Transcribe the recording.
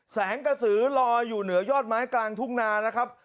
แสงกระสือลอยอยู่เหนือยอดไม้กลางทุ่งนานะครับ